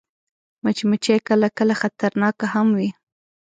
مچمچۍ کله کله خطرناکه هم وي